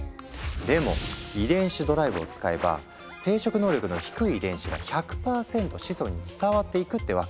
でも遺伝子ドライブを使えば生殖能力の低い遺伝子が１００％子孫に伝わっていくってわけ。